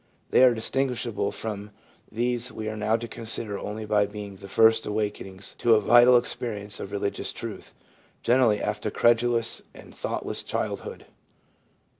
They are distinguishable from these we are now to consider only by being the first awakenings to a vital experience of religious truth, generally after a credulous and thoughtless childhood.